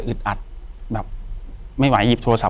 อยู่ที่แม่ศรีวิรัยิลครับ